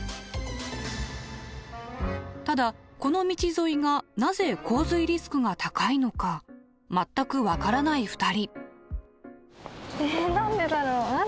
ただこの道沿いがなぜ洪水リスクが高いのか全く分からない２人。